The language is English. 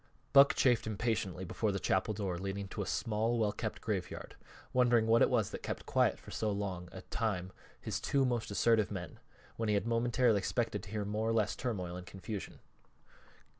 Buck chafed impatiently before the chapel door leading to a small, well kept graveyard, wondering what it was that kept quiet for so long a time his two most assertive men, when he had momentarily expected to hear more or less turmoil and confusion.